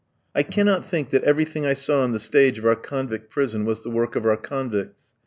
I cannot think that everything I saw on the stage of our convict prison was the work of our convicts.